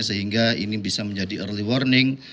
sehingga ini bisa menjadi early warning